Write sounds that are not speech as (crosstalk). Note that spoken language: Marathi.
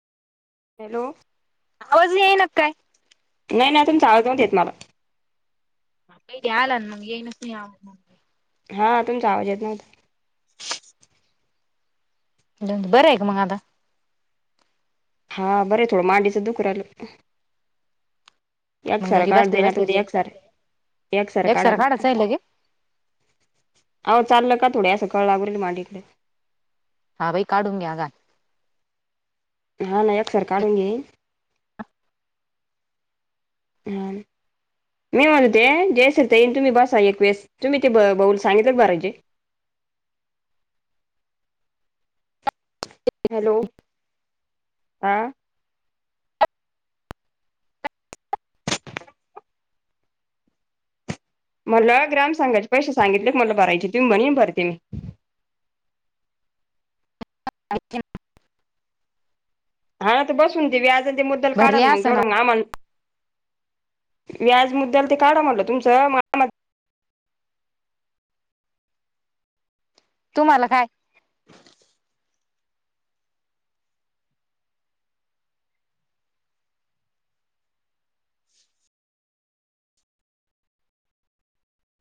हॅलो! आवाज येईना, का काय? नाही नाही अजून (unintelligible) देत मला. याला ना मग येईनच म (unintelligible) हा तुमचा आवाज येत नव्हता? बरं आहे का मग आता? हा बरं थोडं मांडीच दुखु राहिलं. मग एक्सरा घरी काढ बसले दे ना तु बसल्याची एक्सरा एक्सरा काढाय एकसार लागतोय. काढायचं आहे लगे आव चाललं का थोडं असं (unintelligible) हा भाई काढून घ्या आगा हा ना एक सर काढून घे हा. मी म्होलते जयस तेईन तुम्ही बसा एक वेळेस तुम्ही ते बऊल सांगितलंत बरााजचे हॅलो हां. मला ग्राम सांगायचे पैसे सांगितले क मला भरायचे तुमही म्हणे भरते मी अच्छ हा तर बसून देवी आज ते मुद्दल काढा भरले मग असन तेवढं मग आम्हाला व्याज मुद्द्याला ते काढा म्हटलं तुमचं तुम्हाला काय?